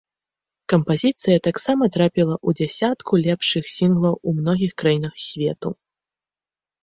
Кампазіцыя таксама трапіла ў дзясятку лепшых сінглаў у многіх краінах свету.